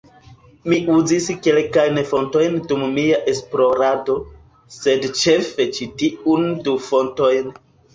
Mi uzis kelkajn fontojn dum mia esplorado, sed ĉefe ĉi tiun du fontojn: